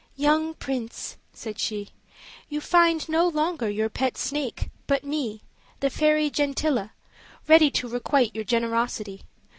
"Young prince," said she, "you find no longer your pet snake, but me, the fairy Gentilla, ready to requite your generosity.